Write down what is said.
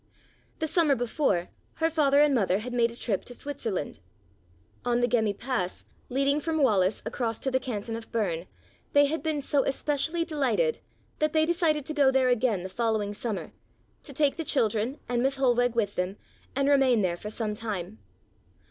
The Summer before her father and mother had made a trip to Switzerland. On the Gemmi Pass, leading from Wallis across to the canton of Berne, they had been so especially delighted that they decided to go there again the following Summer, to take the children and Miss Hohlweg with them and remain there for some time.